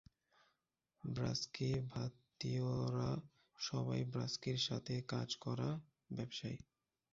ব্রাস্কি ভ্রাতৃদ্বয়রা সবাই ব্রাস্কির সাথে কাজ করা ব্যবসায়ী।